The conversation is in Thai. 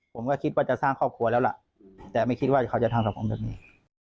ผมก็คิดว่าจะสร้างครอบครัวแล้วล่ะแต่ไม่คิดว่าเขาจะทำสังคมแบบนี้